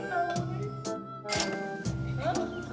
hah tak baik